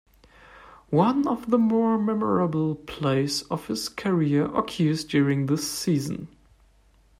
One of the more memorable plays of his career occurred during this season.